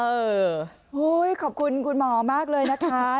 โอ้โหขอบคุณคุณหมอมากเลยนะคะ